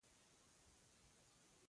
څوک به تا ته سپين ګلاب درلېږي.